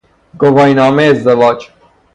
گواهی نامه ازدواج